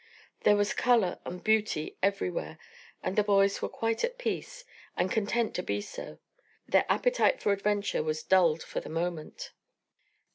There was colour and beauty everywhere; and the boys were quite at peace, and content to be so. Their appetite for adventure was dulled for the moment.